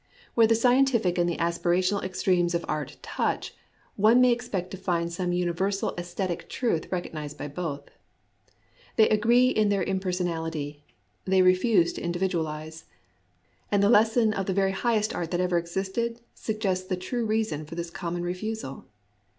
Where the scientific and the aspirational extremes of art touch, one may expect to find some universal sesthetic truth recognized by both. They agree in their impersonality : they refuse to individualize. And the lesson of the very highest art that ever existed sug gests the true reason for this common refusal.